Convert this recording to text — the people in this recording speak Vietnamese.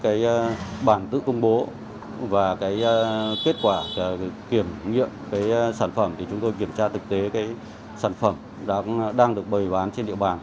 với bản tự công bố và kết quả kiểm nghiệm sản phẩm chúng tôi kiểm tra thực tế sản phẩm đang được bày bán trên địa bàn